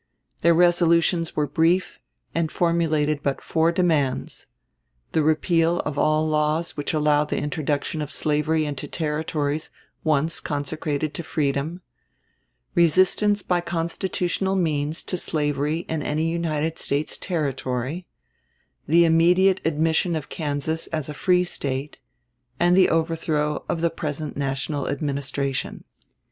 Their resolutions were brief and formulated but four demands: the repeal of all laws which allow the introduction of slavery into Territories once consecrated to freedom; resistance by constitutional means to slavery in any United States Territory; the immediate admission of Kansas as a free State, and the overthrow of the present national Administration.